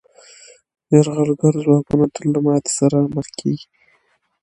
یرغلګر ځواکونه تل له ماتې سره مخ کېږي.